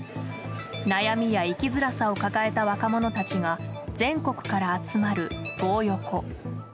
悩みや生きづらさを抱えた若者たちが全国から集まるトー横。